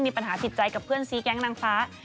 มีปัญหาติดใจกับเพื่อนซีแก๊งนางฟ้า